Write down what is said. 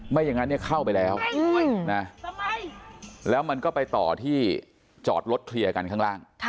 ไม่อย่างนั้นเข้าไปแล้วนะแล้วมันก็ไปต่อที่จอดรถเคลียร์กันข้างล่าง